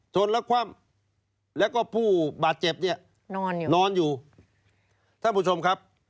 แล้วคว่ำแล้วก็ผู้บาดเจ็บเนี่ยนอนอยู่นอนอยู่ท่านผู้ชมครับ